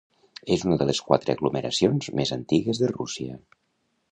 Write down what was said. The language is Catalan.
És una de les quatre aglomeracions més antigues de Rússia.